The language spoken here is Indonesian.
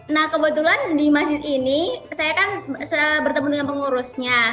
nah kebetulan di masjid ini saya kan bertemu dengan pengurusnya